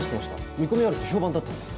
見込みあるって評判だったんです・